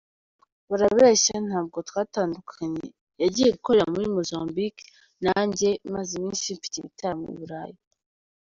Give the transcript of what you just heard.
Barabeshya ntabwo twatandukanye, yagiye gukorera muri Mozambique, nanjye maze iminsi mfite ibitaramo i Burayi.